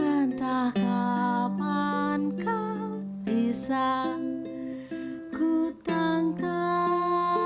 entah kapan kau bisa kutangkap